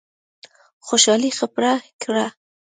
خوشالي خپره کړه.